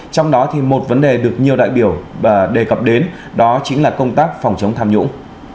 trong đó một vấn đề được nhiều đại biểu đề cập đến đó chính là công tác phòng chống tham nhũng